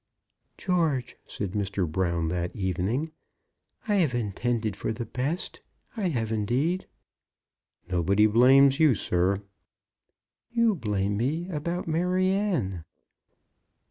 "George," said Mr. Brown, that evening, "I have intended for the best, I have indeed." "Nobody blames you, sir." "You blame me about Maryanne."